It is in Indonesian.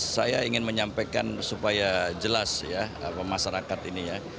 saya ingin menyampaikan supaya jelas ya masyarakat ini ya